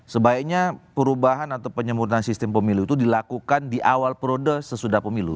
sebaiknya perubahan atau penyempurnaan sistem pemilu itu dilakukan di awal perode sesudah pemilu